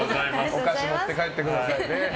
お菓子、持って帰ってくださいね。